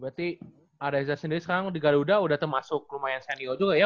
berarti reza sendiri sekarang di garuda udah termasuk lumayan senior juga ya